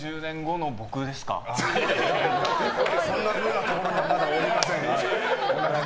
そんなふうなところにはおりません。